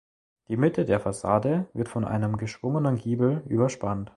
Die Mitte der Fassade wird von einem geschwungenen Giebel überspannt.